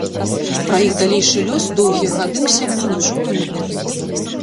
Пра іх далейшы лёс доўгія гады ў сям'і нічога не ведалі.